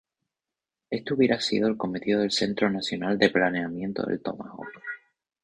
Este hubiera sido el cometido del Centro Nacional de Planeamiento del Tomahawk.